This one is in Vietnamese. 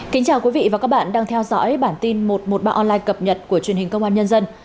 kính chào quý vị và các bạn đang theo dõi bản tin một trăm một mươi ba online cập nhật của truyền hình công an nhân dân